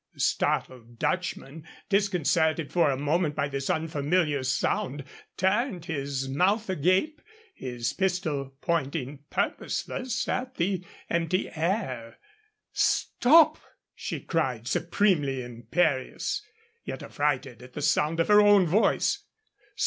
The startled Dutchman, disconcerted for a moment by this unfamiliar sound, turned, his mouth agape, his pistol pointing purposeless at the empty air. "Stop!" she cried, supremely imperious, yet affrighted at the sound of her own voice.